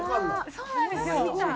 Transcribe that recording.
そうなんですよ。